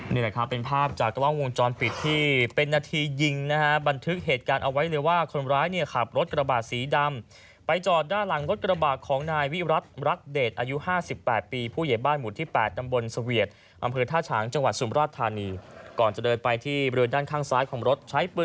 นี่แหละครับเป็นภาพจากกล้องวงจรปิดที่เป็นนาทียิงนะฮะบันทึกเหตุการณ์เอาไว้เลยว่าคนร้ายเนี่ยขับรถกระบาดสีดำไปจอดด้านหลังรถกระบาดของนายวิรัติรักเดชอายุ๕๘ปีผู้ใหญ่บ้านหมู่ที่๘ตำบลเสวียดอำเภอท่าฉางจังหวัดสุมราชธานีก่อนจะเดินไปที่บริเวณด้านข้างซ้ายของรถใช้ป